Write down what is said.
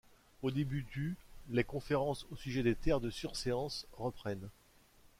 Au début du les conférences au sujet des Terres de surséance reprennent.